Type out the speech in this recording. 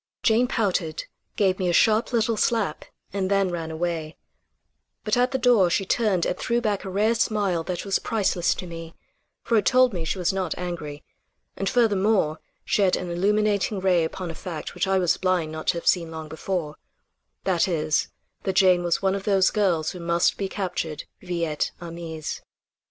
Jane pouted, gave me a sharp little slap and then ran away, but at the door she turned and threw back a rare smile that was priceless to me; for it told me she was not angry; and furthermore shed an illuminating ray upon a fact which I was blind not to have seen long before; that is, that Jane was one of those girls who must be captured vi et armis.